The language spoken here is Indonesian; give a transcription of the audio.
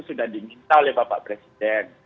sudah diminta oleh bapak presiden